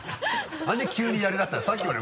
何で急にやり出したの？